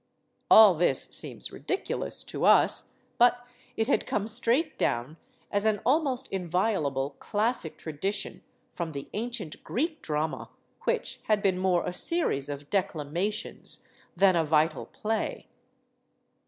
All this seems ridiculous to us; but it had come straight down as an almost inviolable "classic tradi tion" from the ancient Greek drama, which had been more a series of declamations than a vital play.